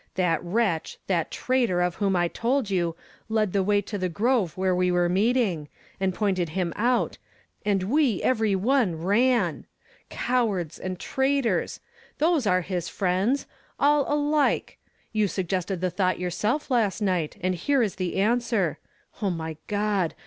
That wretch, that traitor of whom I told you, led the way to the grove where we were meeting, and pointed him out and we every one ran ! Cowards and traitors ' those are his friends I All alike ! You suggested the thought yourself last night, and here is the answer. O my God